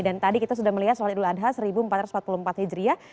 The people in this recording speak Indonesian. dan tadi kita sudah melihat soal idul adha seribu empat ratus empat puluh empat hijriyah